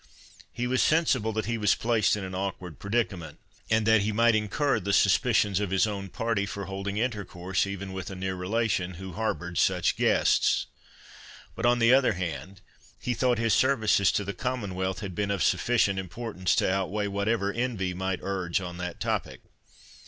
He was sensible that he was placed in an awkward predicament; and that he might incur the suspicions of his own party, for holding intercourse even with a near relation, who harboured such guests. But, on the other hand, he thought his services to the Commonwealth had been of sufficient importance to outweigh whatever envy might urge on that topic.